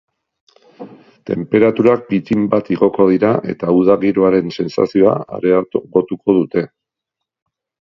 Tenperaturak pittin bat igoko dira eta uda giroaren sentsazioa areagotuko dute.